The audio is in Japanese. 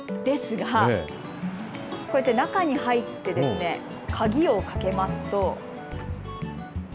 ですが、こうやって中に入って鍵をかけますと。